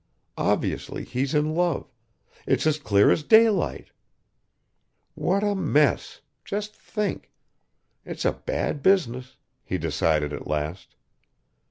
Obviously he's in love it's as clear as daylight. What a mess, just think ... it's a bad business!" he decided at last.